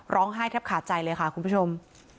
แทบขาดใจเลยค่ะคุณผู้ชม